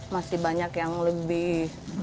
masih banyak yang lebih